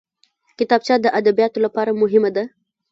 کتابچه د ادبیاتو لپاره مهمه ده